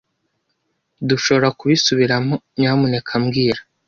dushobora kubisubiramo, nyamuneka mbwira